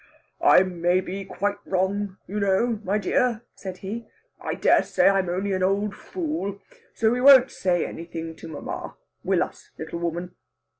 "I may be quite wrong, you know, my dear," said he. "I dare say I'm only an old fool. So we won't say anything to mamma, will us, little woman?"